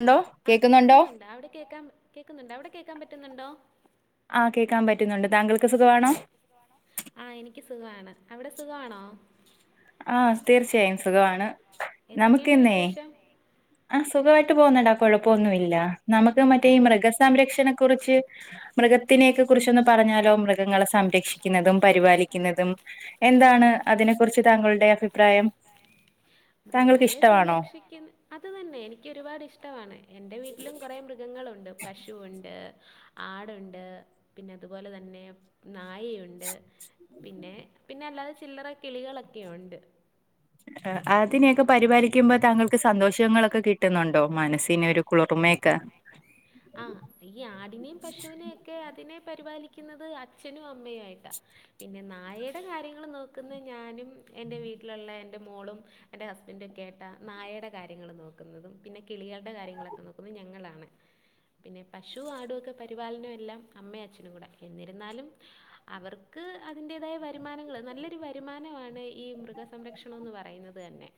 Hello ആ കേൾക്കുന്നുണ്ടോ അവിടെ കേക്കാൻ കേക്കുന്നുണ്ടോ അവിടെ കേക്കാൻ പറ്റുന്നുണ്ടോ ആഹ് കേൾക്കാൻ പറ്റുന്നുണ്ട് താങ്കൾക്ക് സുഖമാണോ ആഹ് എനിക്ക് സുഖാണ് അവിടെ സുഖാണോ ആഹ് തീർച്ചയായും സുഖമാണ് എന്തൊക്കെണ്ട് വിശേഷം ആഹ് സുഖായിട്ട് പോകുന്നടാ കൊഴപ്പമൊന്നും ഇല്ല നമുക്ക് മറ്റേ ഈ മൃഗസ് സംരക്ഷണക്കുറിച്ച് മൃഗ ത്തിനെയൊക്കെ കുറിച്ചൊന്ന് പറഞ്ഞാലോ മൃഗങ്ങളെ സംരക്ഷിക്കുന്നതും പരിപാലിക്കുന്നതും എന്താണ് അതിനെ കുറിച്ച് താങ്കളുടെ അഭിപ്രായം താങ്കൾക്ക് ഇഷ്ടവാണോ ഇക്കിന്ന് അത് തന്നെ എനിക്ക് ഒരുപാട് ഇഷ്ടവാണ് എന്റെ വീട്ടിലും കുറെ മൃഗങ്ങളുണ്ട് പശുണ്ട് ആടുണ്ട് തുപോലെ തന്നെ നായയുണ്ട് പിന്നെ പിന്നെ അല്ലറ ചില്ലറ കിളികളൊക്കെ യുണ്ട് അഹ് അതിനെയൊക്കെ പരിപാലിക്കുമ്പോ താങ്കൾക്ക് സന്തോഷങ്ങളൊക്കെ കി ട്ടുന്നുണ്ടോ മനസ്സിന് ഒരു കുളിർമ യൊക്കെ ആഹ് ഈ ആടിനെയും പശുവിനെ ഒക്കെ അതിനെ പരിപാലിക്കുന്നത് അച്ഛനും അമ്മയും ആയിട്ടാ പിന്നെ നായടെ കാര്യങ്ങൾ നോക്കുന്നഹ് ഞാനും എന്റെ വീട്ടിലുള്ള എന്റെ മോളും എന്റെ ഹസ്ബന്റ് ഒക്കെ ആയിട്ടാ നായയുടെ കാര്യങ്ങൾ നോക്കുന്നതും പിന്നെ കിളികളുടെ കാര്യങ്ങളൊക്കെ നോക്കുന്നതും ഞ ഞങ്ങളാണ് പിന്നെ പശു ആടൊക്കെ പരിപാലനം എല്ലാം അമ്മേ അച്ഛനും കൂടെ എന്നിരുന്നാലും അവർക്ക് അതിന്റേതായ വരുമാനങ്ങൾ നല്ലൊരു വരുമാനമാണ് ഈ മൃഗസ് സംരക്ഷണം എന്ന് പറയുന്നത് തന്നെ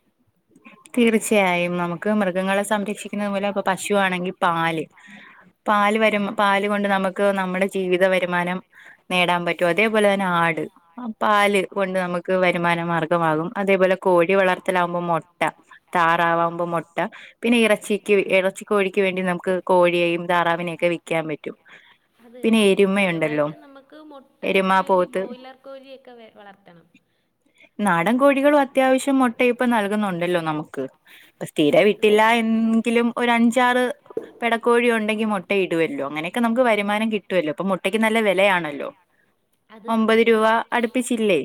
തീർച്ചയായും നമുക്ക് മൃഗങ്ങളെ സംരക്ഷിക്കുന്ന മൂലം ഇപ്പ പശുവാണെങ്കിൽ വാണെങ്കിൽ പാല് പാല് വരും പാല് കൊണ്ട് നമുക്ക് നമ്മുടെ ജീവിത വരുമാനം നേടാൻ പ റ്റും അതേപോലെ തന്നെ ആട് പാല് കൊണ്ട് നമുക്ക് വരുമാന മാർഗമാകും അതേപോലെ കോഴി വളർത്തലാവുമ്പോ മൊ മുട്ട താറാവാമ്പോൾ മൊട്ട പിന്നെ ഇറച്ചിക്ക് ഇറച്ചി കോഴിക്ക് വേണ്ടി നമുക്ക് കോഴിയെയും താറാവിനെ ഒക്കെ വിക്കാൻ പറ്റും അത് തന്നെ സ്ഥിരമായിട്ട് നമുക്ക് മുട്ട കിട്ടണങ്കി ബോയിലർ കോഴിയൊക്കെ വളർത്തണം നാടൻ കോഴികളും അത്യാവശ്യം മുട്ട ഇപ്പം നൽകുന്നു ല്ലോ നമുക്ക് ഇപ്പ സ്ഥിര വിട്ടില്ല എങ്കിലും ഒരഞ്ച് അഞ്ചാറ് പെടക്കോഴി ഉണ്ടെങ്കിൽ മുട്ട ഇടുമല്ലോ അങ്ങനൊക്കെ നമുക്ക് വരുമാനം കിട്ടുമല്ലോ അപ്പോ മുട്ടക്ക് നല്ല ലെ ആണല്ലോ ഒമ്പത് രൂപ അടുപ്പിച്ചില്ലേ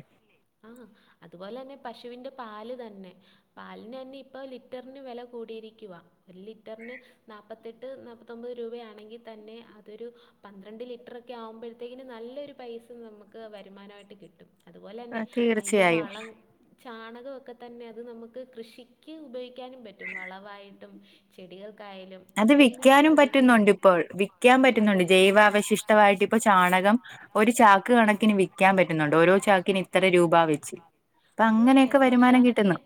ആഹ് അതുപോലെ തന്നെ പശുവിന്റെ പാല് തന്നെ പാലിന് തന്നെ ഇപ്പ ലിറ്ററിന് വെല കൂടിയിരിക്കുവാ ഒരു ലിറ്ററിന് നാപ്പത്തെട്ട് നാപ്പത്തൊമ്പത് രൂപയാണെങ്കിൽ തന്നെ അതൊരു പന്ത്രണ്ട് ലിറ്റർക്കെ ആവുമ്പോൾ അപ്പഴത്തേക്കിന് നല്ലൊരു പൈസ നമുക്ക് വരുമാനമായിട്ട് കിട്ടും അതുപോലെ തന്നെ അതിന്റെ വളം ചാണകം ഒക്കെ തന്നെ അത് നമുക്ക് കൃഷിക്ക് ഉപയോഗിക്കാനും പറ്റും വളവായിട്ടും ചെടികൾക്കായാലും അത് വിക്കാനും പറ്റുന്നുണ്ട് ഇപ്പോൾ വിക്കാൻ പറ്റുന്നുണ്ട് ജൈവവശിഷ്ട യിട്ട് ഇപ്പ ചാണകം ഒരു ചാക്ക് കണക്കിന് വിക്കാൻ പറ്റുന്നുണ്ട് ഓരോ ചാക്കിന് ഇത്ര രൂപ വെച്ച് അപ്പ അങ്ങനെയൊക്കെ വരുമാനം കിട്ടുന്നു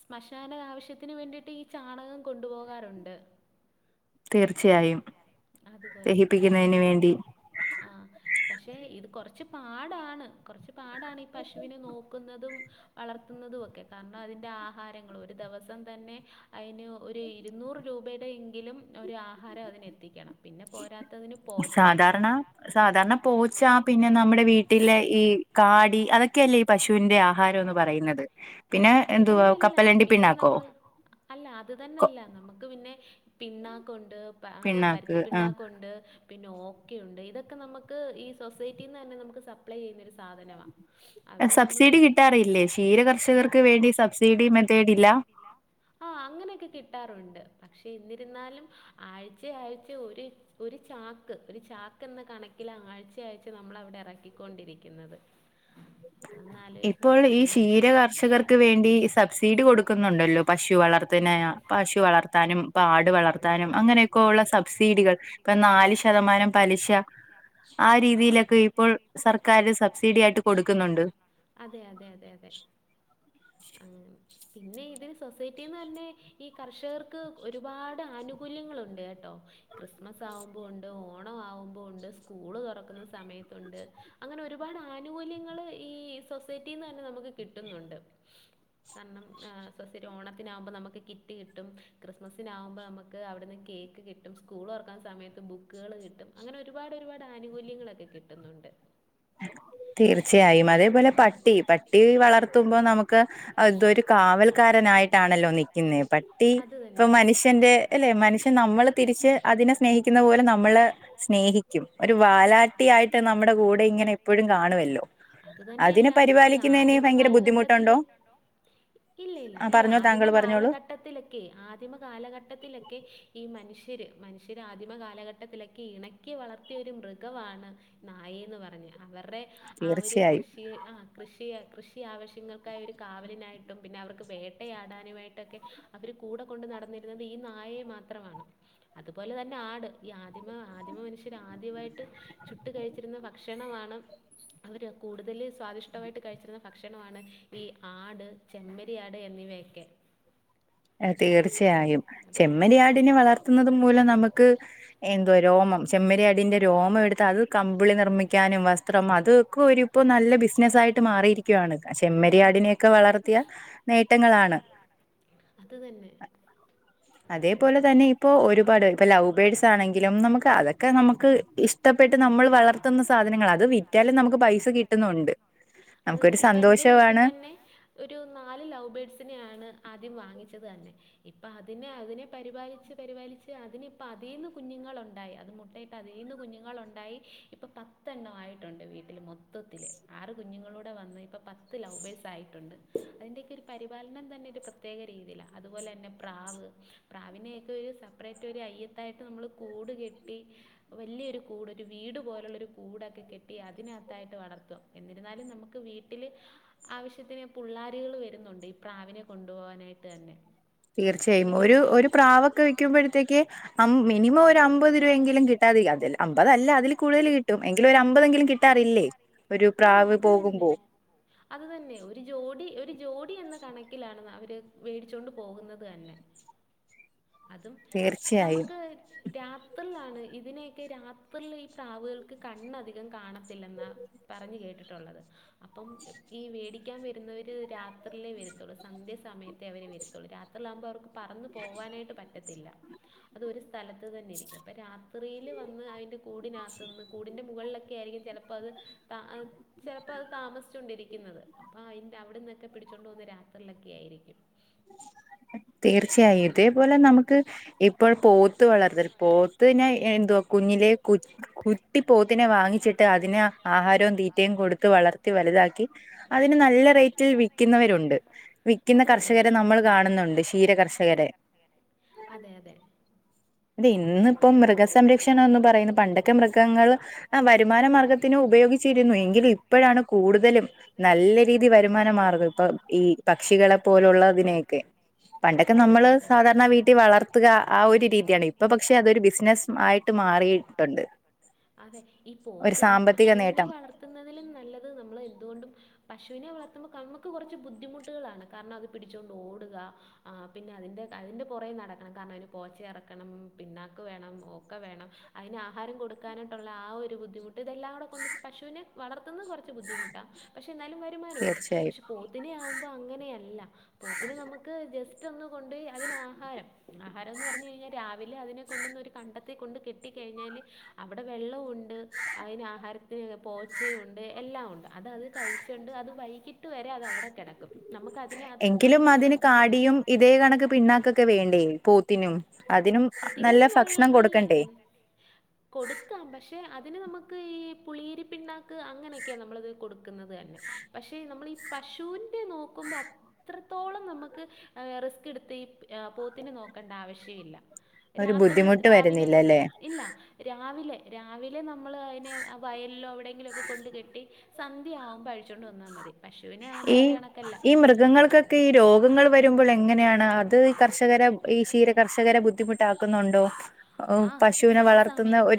ശ്മശാന ആവശ്യത്തിന് വേണ്ടിയിട്ട് ഈ ചാണകം കൊണ്ടുപോകാറുണ്ട് തീർച്ചയായും അത് പോലെ ആഹ് പക്ഷേ ഇത് കൊറച്ച് പാടാണ് കൊറച്ച് പാടാണ് ഈ പശുവിനെ നോക്കുന്നതും വളർത്തുന്നതൊക്കെ കാരണം അതിൻ്റെ ആഹാരങ്ങൾ ഒരു ദെവസം തന്നെ അയിന് ഒരു ഇരുന്നൂറ് രൂപയുടെ എങ്കിലും ഒരു ആഹാരം അതിനെത്തിക്കണം സാധാരണ സാധാരണ പോച്ചാ പിന്നെ നമ്മുടെ വീട്ടിലെ ഈ കാടി അതൊക്കെയല്ലേ ഈ പശുവിന്റെ ആഹാരം എന്ന് പറയുന്നത് പിന്നെ എന്തുവാ കപ്പലണ്ടി പിണ്ണാക്കോ അല്ല അത് തന്നല്ല നമുക്ക് പിന്നെ പിണ്ണാക്കുണ്ട് പരുത്തി പിണ്ണാക്കുണ്ട് ഉണ്ട് പിന്നെ ഓക്കെ ഉണ്ട് ഇതൊക്കെ നമുക്ക് ഈ സൊസൈറ്റീന്ന് തന്നെ നമുക്ക് സപ്ലൈ ചെയ്യുന്നൊരു സാധനവാ സബ്സിഡി കിട്ടാറില്ലേ ക്ഷീര കർഷകർക്ക് വേണ്ടി സബ്സിഡി മെത്തേഡ് ഇല്ല ആഹ് അങ്ങനെയൊക്കെ കിട്ടാറുണ്ട് പക്ഷെ എന്നിരുന്നാലും ആഴ്ച ആഴ്ച ഒരു ഒരു ചാക്ക് ഒരു ചാക്ക് എന്ന കണക്കില് ആഴ്ചയാഴ്ച നമ്മൾ അവിടെ ഇറക്കി കൊണ്ടിരിക്കുന്നത് ന്നാ ഇപ്പോൾ ഈ ക്ഷീര കർഷകർക്ക് വേണ്ടി സബ്സിഡി കൊടുക്കുന്നുണ്ടല്ലോ പശു വളർത്തനയാ പശു വളർത്താനും ഇപ്പൊ ആട് വളർത്താനും അങ്ങനെ ക്കൊള്ള സബ്സിഡികൾ ഇപ്പൊ നാല് ശതമാനം പലിശ ആ രീതിയിലൊക്കെ ഇപ്പോൾ സർക്കാര് സബ്സീഡി ആയിട്ട് കൊടുക്കുന്നുണ്ട് അതെ അതെ അതെ അതെ ആഹ് പിന്നെ ഇത് സൊസൈറ്റീന്ന് തന്നെ ഈ കർഷകർക്ക് ഒരുപാട് ആനുകൂല്യങ്ങളുണ്ട് കേട്ടോ ക്രിസ്മസ് ആവുമ്പോ ഉണ്ട് ഓണം ആവുമ്പോ ഉണ്ട് സ്കൂള് തുറക്കുന്ന സമയത്തുണ്ട് അങ്ങനെ ഒരുപാട് ആനുകൂല്യങ്ങള് ഈ സൊസൈറ്റീന്ന് തന്നെ നമുക്ക് കിട്ടുന്നുണ്ട് കാരണം സൊസൈറ്റി ഓണത്തിനാവുമ്പോ നമുക്ക് കിറ്റ് കിട്ടും ക്രിസ്മസിനാവുമ്പോ നമു ക്ക് അവിട്ന്ന് കേക്ക് കി ട്ടും സ്കൂള് തൊറക്കാൻ സമയത്ത് ബുക്കുകള് കിട്ടും അങ്ങനെ ഒരുപാട് ഒരുപാട് ആനുകൂല്യങ്ങളൊക്കെ കിട്ടുന്നുണ്ട് ഹേ തീർച്ചയായും അതേപോലെ പട്ടി പട്ടി വളർത്തുമ്പോ നമുക്ക് അതൊരു കാവൽക്കാരനായിട്ടാണല്ലോ നിക്കുന്നെ പട്ടി ഇപ്പൊ മനുഷ്യന്റെ അല്ലെ മനുഷ്യ [unintelligible] നമ്മള് തിരിച്ച് അതിനെ സ്നേഹിക്കുന്ന പോലെ നമ്മളെ സ്നേഹിക്കും ഒരു വാലാട്ടി ആയിട്ട് നമ്മടെ കൂ ടെ ഇങ്ങനെ എപ്പൊഴും കാണുവല്ലോ അതിനെ പരിപാലിക്കുന്നയിന് ഭയങ്കര ബുദ്ധിമുട്ടൊണ്ടോ ആഹ് പറഞ്ഞോ താങ്കള് പറഞ്ഞോളൂ ട്ടത്തിലൊക്കെ ആദിമ കാലഘട്ടത്തിലൊക്കെ ഈ മനഷ്യ ഷ്യര് മനുഷ്യര് ആദിമ കാലഘട്ടത്തിലൊക്കെ ഇണക്കി വളർത്തിയ ഒരു മൃഗമാണ് നായേന്ന് പറഞ്ഞ് അവരുടെ ആ ഒരു കൃഷി ആഹ് കൃഷിയ കൃഷി ആവശ്യങ്ങൾക്കായി ഒരു കാവലിനായിട്ടും പിന്നെ അവർക്ക് വേട്ടയാടാനുമായിട്ടൊക്കെ അവര് കൂടെ കൊണ്ട് നടന്നിരുന്നത് ഈ നായയെ മാത്രമാണ് അതുപോലെ തന്നെ ആട് ഈ ആദിമ ആദിമ മനുഷ്യർ ആദ്യമായിട്ട് ചുട്ട് കഴിച്ചിരുന്ന ഭക്ഷണമാണ് അവര് കൂടുതല് സ്വാദിഷ്ടമായിട്ട് കഴിച്ചിരുന്ന ഭക്ഷണമാണ് ഈ ആട് ചെമ്മരിയാട് എന്നിവയൊക്കെ തീർച്ചയായും ചെമ്മരിയാടിനെ വളർത്തുന്നത് മൂലം നമുക്ക് എന്തോ രോമം ചെമ്മരിയാടിന്റെ രോമം എടുത്ത് അത് കമ്പിളി നിർമ്മിക്കാനും വസ്ത്രം അതൊക്കെ ഒരിപ്പോ നല്ല ബിസിനസ്സായിട്ട് മാറിയിരിക്കുവയാണ് പ ചെമ്മരിയാടിനെ ക്കെ വളർത്തിയ ക നീക്കങ്ങളാണ് അത് തന്നെ അതേപോലെ തന്നെ ഇപ്പൊ ഒരുപാട് ഇപ്പൊ ലൗ ബേഡ്സാണെങ്കിലും നമുക്ക് അതൊക്കെ നമുക്ക് ഇഷ്ടപ്പെട്ട് നമ്മൾ വളർത്തുന്ന സാധനങ്ങളാ അത് വിറ്റാലും നമുക്ക് പൈസ കിട്ടുന്നുണ്ട് അത് തന്നെ ഇപ്പൊ എന്റെ വീട്ടി തന്നെ ഒരു നാല് ലൗ ബേർഡ്സിനെയാണ് ആദ്യം വാങ്ങിച്ചത് തന്നെ ഇപ്പ അതിനെ അതിനെ പരിപാലിച്ച് പരിപാലിച്ച് അതിനി ഇപ്പ അതീന്ന് കുഞ്ഞുങ്ങളുണ്ടായി അത് മുട്ട യിട്ട് അതീന്ന് കുഞ്ഞുങ്ങൾ ഒണ്ടായി ഇപ്പ പത്തെണ്ണം ആയിട്ടൊണ്ട് വീട്ടില് മൊത്തത്തില് ആറ് കുഞ്ഞുങ്ങളൂടെ വന്ന് ഇപ്പ പത്ത് ലവ്ബേർഡ്സ് ആയിട്ടുണ്ട് അതിന്റെയക്കെ ഒരു പരിപാലനം തന്നെ ഒരു പ്രേ ത്യേക രീതിയിലാ അതുപോലെ തന്നെ പ്രാവ് പ്രാവിനെയൊക്കെ ഒരു സെപ്പറേറ്റ് ഒരു അയ്യത്തായിട്ട് നമ്മള് കൂട് കെട്ടി വല്യൊരു കൂട് ഒരു വീട് പോലുള്ള ഒരു കൂടൊക്കെ കെട്ടി അതിനകത്തായിട്ട് വളർത്തും എന്നിരുന്നാലും നമുക്ക് വീട്ടില് ആവശ്യത്തിന് പുള്ളാരുകള് വരുന്നുണ്ട് ഈ പ്രാവിനെ കൊണ്ടുപോകാനായിട്ട് തന്നെ തീർച്ചയായും ഒരു ഒരു പ്രാവൊക്കെ വിക്കുമ്പഴ്ത്തേക്ക് അമ്പ് മിനിമം ഒരു അമ്പത് രൂപയെങ്കിലും കിട്ടാതിരിക്കത്തില്ല അമ്പതല്ല അതിൽ കൂടുതല് കിട്ടും എങ്കിലും ഒരു അമ്പതെങ്കിലും കിട്ടാറില്ലെ ഒരു പ്രാവ് പോകുമ്പോ അത് തന്നെ ഒരു ജോഡി ഒരു ജോഡി എന്ന കണക്കിലാണ് ന അവര് വേടിച്ചൊണ്ട് പോകുന്നത് തന്നെ [inaudible] അതും നമ്മക്ക് രാത്രിലാണ് ഇതിനെയൊക്കെ രാത്രിൽ ഈ പ്രാവുകൾക്ക് കണ്ണധി കം കാണത്തില്ലെന്ന പറഞ്ഞു കേട്ടിട്ടുള്ളത് അപ്പം ഈ വേടിക്കാൻ വരുന്നവര് രാത്രിയിലെ വരുത്തുള്ളൂ സന്ധ്യാ സമയത്തെ അവര് വരു രാത്രിയിൽ ആകുമ്പോ അവർക്ക് പറന്നു പോവാനായിട്ട് പറ്റത്തില്ല അത് ഒരു സ്ഥലത്ത് തന്നെ ഇരിക്കും അപ്പം രാത്രിയിൽ വന്ന് അതിൻ്റെ കൂടിനകത്ത് നിന്ന് കൂടിൻ്റെ മുകളിലൊ ക്കെ ആരിക്കും ചെലപ്പോ അത് ചെലപ്പോ അത് താമസിച്ചൊണ്ടിരി ക്കുന്നത് അപ്പോ അയിന്റെ അവിടന്നൊക്കെ പിടിച്ചോണ്ടു വന്ന് രാത്രിയിലൊക്കെ ആയിരിക്കും തീർച്ചയായും ഇതേപോലെ നമുക്ക് ഇപ്പോൾ പോത്ത് വളർത്തൽ പോത്ത് ത്ത് പിന്നെ എന്തോ കുഞ്ഞിലെ കു കുട്ടി പോത്തിനെ വാങ്ങിച്ചിട്ട് അതിനെ ആഹാരവും തീറ്റയും കൊടുത്ത് വളർത്തി വലുതാക്കി അതിന് നല്ല റേയ്റ്റിൽ വിൽക്കുന്നവരുണ്ട് വിൽക്കുന്ന കർഷകരെ നമ്മൾ കാണുന്നുണ്ട് ക്ഷീരകർഷകരെ അതെ അതെ അത് ഇന്ന് ഇപ്പം മൃഗസംരക്ഷണം എന്ന് പറയുന്നു പണ്ടൊക്കെ മൃഗങ്ങൾ വരുമാന മാർഗത്തിന് ഉപയോഗിച്ചിരുന്നു എങ്കിൽ ഇ ഇപ്പോഴാണ് കൂടുതലും നല്ല രീതി വരുമാനം മാറുന്നത് ഇപ്പ ഈ പക്ഷികളെ പോലുള്ളതിനെ ക്കെ പണ്ടൊക്കെ നമ്മള് സാധാരണ വീട്ടിൽ വളർത്തുക ആ ഒരു രീതിയാണ് ഇപ്പ പക്ഷ പക്ഷെ അതൊരു ബിസിനസ് ആയിട്ട് മാറിയിട്ടുണ്ട് അതെ ഈ പോത്ത് ഈ പശുവിനെ വളർത്തുന്നതിലും നല്ലത് നമ്മൾ എന്തുകൊണ്ടും പശുവിനെ വളർത്തുമ്പോ നമുക്ക് കുറച്ച് ബുദ്ധിമുട്ടുകളാണ് കാരണം അത് പിടിച്ചുകൊണ്ട് ഓടുക ആഹ് പിന്നെ അതിന്റെ അതിന്റെ പുറേ നടക്കണം കാരണം അതിന് പോച്ച ഇറക്കണം പിന്ന ഒക്ക് വേണം ഒക്കെ വേണം അയിന് ആഹാരം കൊടുക്കാനായിട്ടുള്ള ആ ഒരു ബുദ്ധിമുട്ട് ഇതെല്ലാം കൂടെ കൊണ്ട് പശുവിനെ വളർത്തുന്നത് കുറച്ച് ബുദ്ധിമുട്ടാണ് പക്ഷേ എന്നാലും വരുമാനമുണ്ട് പക്ഷേ പോത്തിനെ ആകുമ്പോൾ അങ്ങനെയല്ല പോത്തിന് നമുക്ക് ജസ്റ്റ് ഒന്ന് കൊണ്ട്പയി അതിന് ആഹാരം ആഹാരം എന്ന് പറഞ്ഞ കഴിഞ്ഞാൽ രാവിലെ അതിനെ കൊണ്ടന്ന് ഒരു കണ്ടത്തെ കൊണ്ട് കെട്ടിക്കഴിഞ്ഞാൽ അവിടെ വെള്ളം ഉ ണ്ട് അയിന് ആഹാരത്തിന് പോച്ചെയുണ്ട് എല്ലാം ഉണ്ട് അത് അത് കഴിച്ചണ്ട് അത് വൈകി ട്ട് വരെ അതവിടെ കിടക്കും നമുക്ക് അതിനെ അധികം ശ്രദ്ധിക്കണ്ട ഇതേ കണക്ക് പിണ്ണാക്കൊക്കെ വേണ്ടേ പോത്തിനും അതിനും അധികം വ വല്യ [unintelligible] കൊടുക്കാം പക്ഷെ അതിന് നമുക്ക് ഈ പുളിരി പിണ്ണാ ക്ക് അങ്ങനെയൊക്കെ നമ്മളത് കൊടുക്കുന്നത് പക്ഷെ നമ്മൾ ഈ പശുവിന്റെ നോക്കുമ്പോ അ ത്രത്തോളം നമുക്ക് ഹേ റിസ്ക് എടുത്ത് ഈ പോത്തിനെ നോക്കേണ്ട ആവശ്യല്ല രാത്രിൽ രാവിലെ കൊ ഇല്ല രാവിലെ രാവിലെ നമ്മൾ അയിനെ വയലിലോ എവിടെയെങ്കിലും ഒക്കെ കൊണ്ട് കെട്ടി സന്ധ്യ ആകുമ്പോൾ അഴിച്ചുകൊണ്ട് വന്നാൽ മതി പശുവിനെ ആുകുമ്പോൾ അത് കണക്കല്ല ക്കെ ഈ രോഗങ്ങൾ വരുമ്പോൾ എങ്ങനെയാണ് അത് ഈ കർഷകരെ ഈ ക്ഷീര കർഷകരെ ബുദ്ധിമുട്ടാക്കുന്നുണ്ടോ ആഹ ചില സമയത്ത്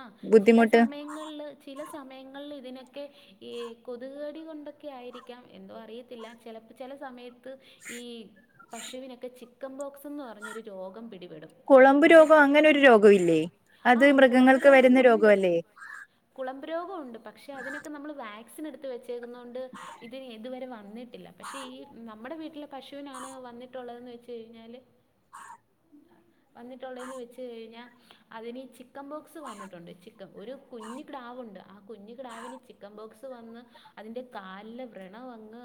ആ ചില സമയങ്ങളില് ചില സമയങ്ങളിൽ ഇതിനൊക്കെ ഈ കൊതുകേടി കൊണ്ടൊക്കെ ആയിരിക്കാം എന്തോ അറിയത്തില്ല ചിലപ്പോ ചില സമയത്ത് ത്ത് ഈ പശുവിനൊക്കെ ചിക്കൻ ബോക്സ്ന്ന് പറഞ്ഞൊരു രോഗം പിടിപെടും കുളമ്പ് രോഗം അങ്ങനെരു രോഗം ഇല്ലേ അത് മൃഗങ്ങൾക്ക് വരുന്ന രോഗ അല്ലേ കുളമ്പ് രോഗമ ഉണ്ട് പക്ഷെ അതിനൊക്കെ നമ്മൾ വാക്സിൻ എടുത്ത് വെച്ച് ന്നൊണ്ട് ഇതിന് ഇതുവരെ വന്നിട്ടില്ല പക്ഷെ ഈ നമ്മക്ക് നമ്മുടെ വീട്ടിൽ പശുവിനാണ് വന്നിട്ടുള്ളതെന്ന് വെച്ച കഴിഞ്ഞാൽ വെ കഴിഞ്ഞാൽ അതിന് ചിക്കൻ ബോക്സ് വന്നിട്ടുണ്ട് ചൻ ഒരു കുഞ്ഞു ഡാവുണ്ട് കുഞ്ഞു ക്രാവിന് ചിക്കൻ ബോക്സ് വന്ന് അതിൻന്റെ കാലിലെ വ്രണ അങ്ങ്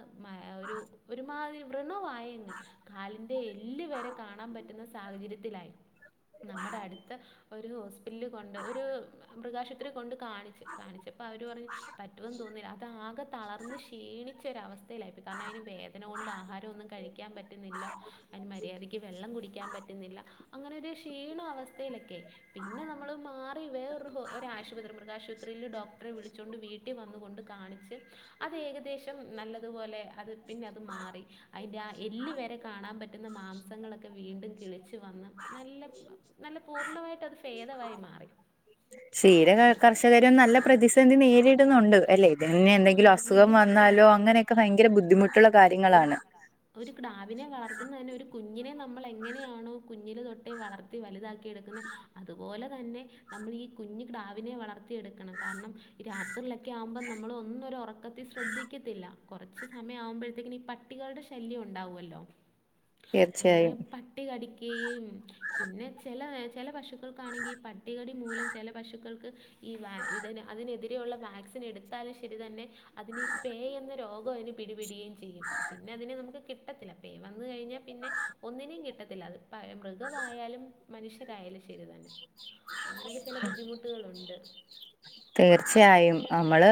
ഒരു ഒരുമാതിരി വ്രണവായങ്ങ് കാലിൻ്റെ എല്ല് വരെ കാണാൻ പറ്റുന്ന സാഹചര്യത്തിലായി നമ്മുടെ അടുത്ത് ഒരു ഹോസ്പിറ്റല കൊണ്ട് ഒരു മൃഗാശുപത്രി കൊണ്ട് കാണിച്ച് കാണിച്ചപ്പോൾ അവർ പറഞ്ഞ് പറ്റുമെന്ന് തോന്നിയില്ല അത ആകെ തളർന്ന് ക്ഷീണിച്ചൊരവസ്ഥയിലായിപ്പോ കാരണം അതിന് വേദന കൊണ്ട് ആഹാരമൊന്നും കഴിക്കാൻ പറ്റുന്നില്ല അതിന് മര്യാദയ്ക്ക് വെള്ളം കുടിക്കാൻ പറ്റുന്നില്ല അങ്ങനെ ഒരു ക്ഷീണ അവസ്ഥയിലൊക്കെ പിന്നെ നമ്മൾ മാറി വേറ ഒ ആശുപത്രി മൃഗാശുപത്രിയിൽ ഡോക് വിളിച്ചുകൊണ്ട് വീട്ടിൽ വന്നുകൊണ്ട് കാണിച്ച് അത് ഏകദേശം നല്ലതുപോലെ അത് പിന്നെ അത് മാറി അതിൻ്റെ ആ എല്ലിവരെ കാണാൻ പറ്റുന്ന മാംസങ്ങളൊക്കെ വീണ്ടും കിളിച്ച് വന്ന് നല്ല നല്ല പൂർണ്ണമായിട്ട് അത് ഭേദമായി മാറി ക്ഷീര കർഷകരും നല്ല പ്രതിസന്ധി നേരിടുന്നുണ്ട് അല്ലെ പിന്നെ എന്തെങ്കിലും അസുഖം വന്നാലോ അങ്ങനെയൊക്കെ ഭയങ്കര ബുദ്ധിമുട്ടുള്ള കാര്യങ്ങളാണ് ഒരു ക്ടവിനെ വളർത്തുന്ന തന്നെ ഒരു കുഞ്ഞിനെ നമ്മൾ എങ്ങനെയാണോ കുഞ്ഞില് തൊട്ടേ വളർത്തി വലുതാക്കി എടുക്കുന്ന അതുപോലെ തന്നെ നമ്മൾീഈ കുഞ്ഞു ക്ടവിനെ വളർത്തിയെടുക്കണം കാരണം രാത്രിയിലൊക്കെ ആവുമ്പോൾ നമ്മ നമ്മളൊന്നുംരു ഉറക്കത്തിൽ ശ്രദ്ധിക്കത്തില്ല കുറച്ച് സമയം ആവുമ്പോഴത്തേക്കിന ഈ പട്ടികളുടെ ശല്യം ഉണ്ടാവുമല്ലോ [inaudible] അങ്ങനെ പട്ടി കടിക്കുകയും പിന്നെ ചില ചില പശൂ പക്കൾക്കാണെങ്കിൽ ഈ പട്ടികടി മൂലം ചില പശുക്കൾക്ക് ഈ ഇതിന് അതിനെതിരെയ ഉുള്ള വാക്സിൻ എടുത്ത് ത്താലും ശരി തന്നെ അതിന് ഈ പേ എന്ന രോഗം അന് പിടിപടുകയും ചെയ്യും പിന്നെ അതിന് നമുക്ക് കിട്ടത്തില്ല പേ വന്ന കഴിഞ്ഞാൽ പിന്നെ ഒന്നിനേും കിട്ടത്തില്ല അത് മൃഗായാലും മനുഷ്യരായാലും ശരി തന്നെ അങ്ങനെയൊക്കെ ചില ബുദ്ധിമുട്ടുകളൾുണ്ട് തീർച്ചയായും നമ്മള്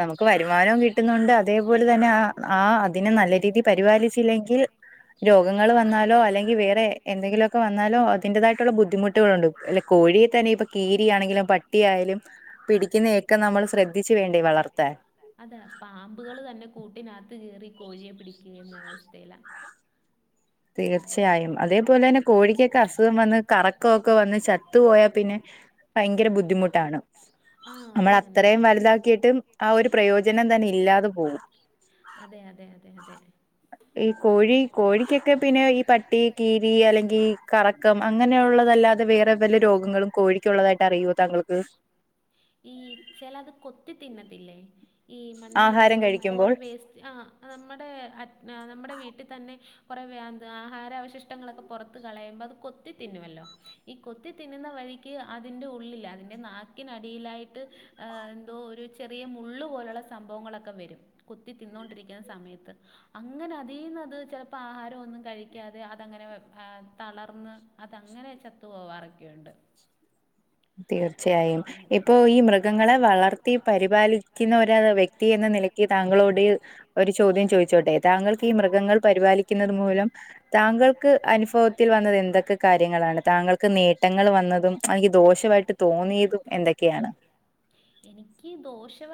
നമുക്ക് വരുമാനവും കിട്ടുന്നുണ്ട് അതേപോലെ തന്നെ ആ ആ അതിനെ നല്ല രീതിയിൽ പരിപാലിച്ചില്ലെങ്കിൽ രോഗങ്ങൾ വന്നാലോ അല്ലെങ്കിൽ വേറെ എന്തെങ്കിലുമൊക്കെ വന്നാലോ അതിന്റതായിട്ടുള്ള ബുദ്ധിമുട്ടുകളലുണ്ട് അല്ല കോഴിയെ തന്നെ ഇപ്പൊ കീരിയാണെങ്കിലും പട്ടിയ ആയാലും പിടിക്കുന്നയൊക്കെ നമ്മൾ ശ്രദ്ധിച്ചു വേണ്ടേ വളർത്തൻ അതെ പാമ്പുകൾ തന്നെ കൂട്ടിനകത്ത് കയറി കോഴിയെ പിടിക്കുക എന്ന വ്യവസ്ഥയില തീർച്ചയായും അതേപോലെ തന്നെ കോഴിക്കൊക്കെ അസുഖം വന്ന് കറക്കംക്കെ വന്ന് ചത്തു പോയാൽ പിന്നെ ഭയങ്കര ബുദ്ധിമുട്ടാണ് നമ്മൾ അത്രയും വലുതാക്കിയിട്ടും ആ ഒരു പ്രയോജനം തന്നെ ഇല്ലാതെ പോവും അതെ അതെ അതെ അതെ ഈ കോഴി കോഴിക്കൊക്കെ പിന്നെ ഈ പട്ടി കുട്ടി കീരി അല്ലെങ്കിൽ കറക്കം അങ്ങനെയുള്ളതല്ലാതെ വേറെ വല രോഗങ്ങളും കോഴിക്കുള്ളതായിട്ട് അറിയുമോ താങ്കൾക്ക് ക്ക് ഈ ചിലത് കൊത്തി തിന്നത്തില്ലേ ഈ മണ്ണടിന്നും ഓരോ വേസ് ആഹ് നമ്മുടെ നമ്മുടെ വീട്ടിൽ തന്നെ കുറെ [unintelligible] അവശി്ടങ്ങളൊക്കെ പുറത്ത് കളയുമ്പോൾ അത് കൊത്തി തിന്നുമല്ലോ ഈ കൊത്തി തിന്നുന്ന വഴിക്ക് അതിറെ ഉള്ളില് അതിന്റെ നാക്കിനടിയിലായിട്ട് ഏഹ് എന്തോ ഒരു ചെറിയ മുള്ള് പോലുള്ള സംഭവങ്ങളൊക്കെ വരും, കൊത്തി തിന്നുകൊണ്ടിരിക്കുന്ന സമയത്ത്. അങ്ങനെ അതീന്ന് അത് ചെലപ്പോ ആഹാരം ഒന്നും കഴി ക്കാതെ അത് അങ്ങനെ ആഹ് തളർന്ന് അത് അങ്ങനെ ചത്തു പോവാറൊക്കെയുണ്ട്. തീർച്ചയായും ഇപ്പോ ഈ മൃഗങ്ങളെ വളർത്തി പരിപാലിക്കുന്ന ഒരു വ്യക്തിയെന്ന് നിലയിൽ. എനിക്ക് താങ്കളോട് ഒരു ചോദ്യം ചോദിച്ചോട്ടെ, താങ്കൾക്ക് ഈ മൃഗങ്ങൾ പരിപാലിക്കുന്നത് മൂലം. താങ്കൾക്ക് അനുഭവത്തിൽ വന്നത് എന്തൊക്കെ കാര്യങ്ങളാണ്, താങ്കൾക്ക് നേട്ടങ്ങൾ വന്നതും അല്ലെങ്കിൽ ദോഷം. ആയിട്ട് തോന്നിയതും എന്തൊക്കെയാണ്? എനിക്ക് ദോഷവാ